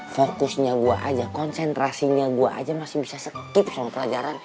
fokusnya gue aja konsentrasinya gue aja masih bisa skip sama pelajaran